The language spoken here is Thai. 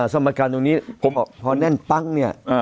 สมการตรงนี้ผมพอแน่นปั้งเนี่ย